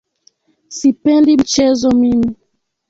Sipendi mchezo mimi.